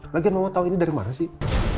lagian mama tahu ini dari mana sih